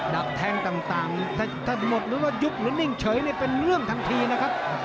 ดักแทงต่างถ้าหมดหรือว่ายุบหรือนิ่งเฉยเป็นเรื่องทันทีนะครับ